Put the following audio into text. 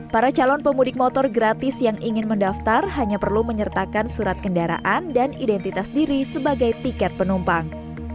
para calon pemudik motor gratis yang ingin mendaftar hanya perlu menyertakan surat kendaraan dan identitas diri sebagai tiket penumpang